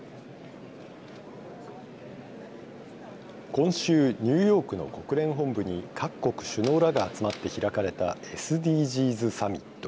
今週ニューヨークの国連本部に各国首脳らが集まって開かれたＳＤＧｓサミット。